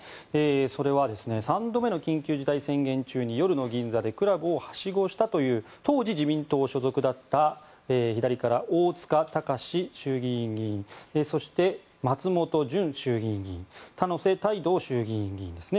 それは３度目の緊急事態宣言中に夜の銀座でクラブをはしごしたという当時自民党所属だった左から大塚高司衆議院議員そして、松本純衆議院議員田野瀬太道衆議院議員ですね。